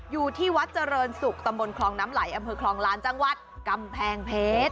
อยู่ที่วัดเจริญศุกร์ตำบลคลองน้ำไหลอำเภอคลองล้านจังหวัดกำแพงเพชร